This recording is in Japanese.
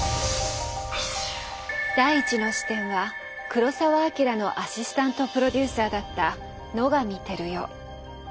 第１の視点は黒澤明のアシスタント・プロデューサーだった野上照代。